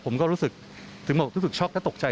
ผมก็รู้สึกถึงบอกรู้สึกช็อกและตกใจ